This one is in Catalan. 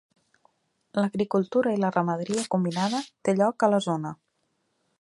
L'agricultura i la ramaderia combinada té lloc a la zona.